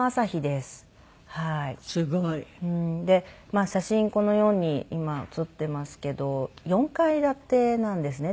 まあ写真このように今写っていますけど４階建てなんですね